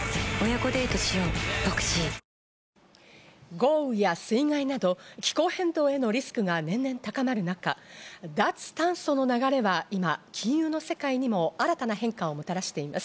豪雨や水害など気候変動へのリスクが年々高まる中、脱炭素の流れは今、金融の世界にも新たな変化をもたらしています。